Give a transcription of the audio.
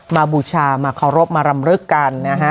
มาบูชามาเคารพมารำรึกกัน